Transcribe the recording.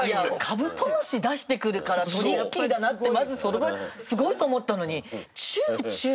カブトムシ出してくるからトリッキーだなってまずそれがすごいと思ったのにチューチューだもの。